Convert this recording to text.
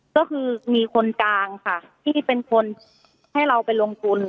ก็คือมีคนกลางค่ะที่เป็นคนให้เราไปลงทุน